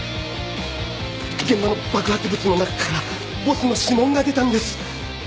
現場の爆発物の中からボスの指紋が出たんです。